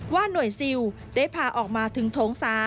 หน่วยซิลได้พาออกมาถึงโถง๓